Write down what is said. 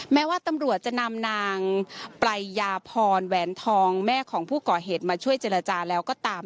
แม้ว่าตำรวจจะนำนางปรายยาพรแหวนทองแม่ของผู้ก่อเหตุมาช่วยเจรจาแล้วก็ตาม